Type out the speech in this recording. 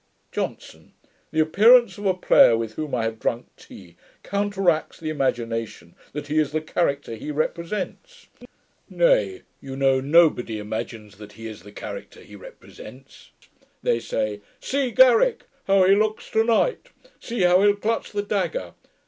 JOHNSON. 'The appearance of a player, with whom I have drunk tea, counteracts the imagination that he is the character he represents. Nay, you know, nobody imagines that he is the character he represents. They say, "See Garrick! how he looks to night! See how he'll clutch the dagger!"